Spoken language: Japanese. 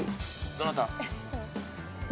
どなた？